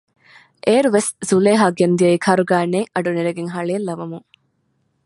އޭރުވެސް ޒުލޭހާ ގެންދިއައީ ކަރުގައި ނެތް އަޑު ނެރެގެން ހަޅޭއްލަވަމުން